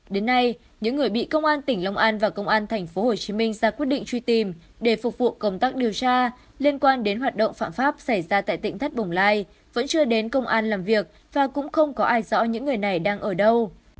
đến nay những người bị công an tỉnh long an và công an tp hcm ra quyết định truy tìm để phục vụ công tác điều tra liên quan đến hoạt động phạm pháp xảy ra tại tỉnh thất bồng lai vẫn chưa đến công an làm việc và cũng không có ai rõ những người này đang ở đâu